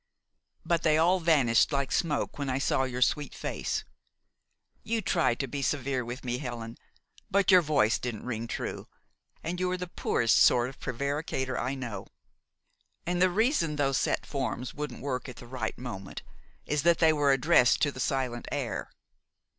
But they all vanished like smoke when I saw your sweet face. You tried to be severe with me, Helen; but your voice didn't ring true, and you are the poorest sort of prevaricator I know. And the reason those set forms wouldn't work at the right moment is that they were addressed to the silent air.